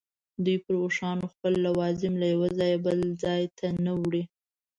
دوی پر اوښانو خپل لوازم له یوه ځایه بل ته نه وړي.